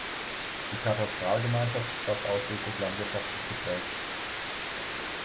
Die Katastralgemeinde ist fast ausschließlich landwirtschaftlich geprägt.